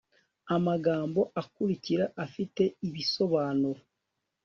amagambo akurikira afite ibi ibisobanuro